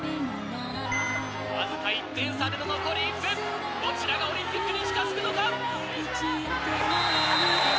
僅か１点差で残り１分、どちらがオリンピックに近づくのか。